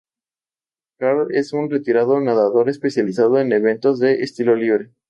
Karl es un retirado nadador especializado en eventos de estilo libre.